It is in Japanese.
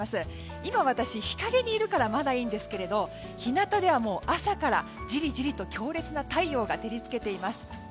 今、私、日陰にいるからまだいいんですけど日向ではもう、朝からじりじりと強烈な太陽が照りつけています。